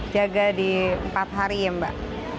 jaga di empat hari ya mbak